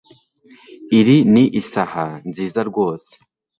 Iri ni isaha nziza rwose